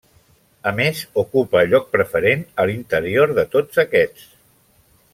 A més, ocupa lloc preferent a l'interior de tots aquests.